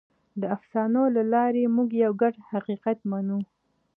د افسانو له لارې موږ یو ګډ حقیقت منو.